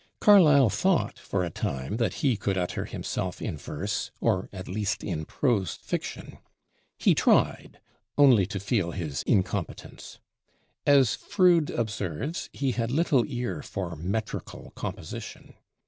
Carlyle thought for a time that he could utter himself in verse, or at least in prose fiction. He tried, only to feel his incompetence. As Froude observes, he had little ear for metrical composition.